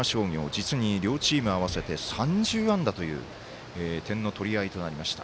実に両チーム合わせて３０安打という点の取り合いとなりました。